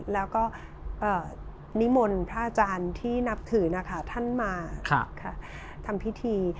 แล้วก็นิมนต์พระอาจารย์ที่นับถือนะคะท่านมาทำพิธี